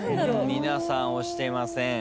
皆さん押してません。